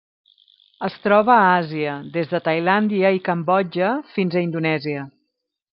Es troba a Àsia: des de Tailàndia i Cambodja fins a Indonèsia.